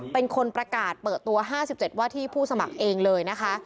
เป็นคนประกาศเปิดตัว๕๗ว่าที่ผู้สมัครเองเลยนะคะ